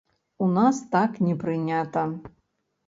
У нас так не прынята.